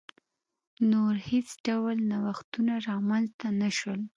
نور هېڅ ډول نوښتونه رامنځته نه شول.